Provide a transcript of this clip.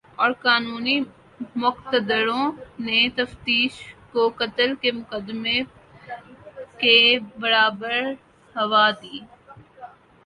اور قانونی مقتدروں نے تفتیش کو قتل کے مقدمے کے برابر ہوا دی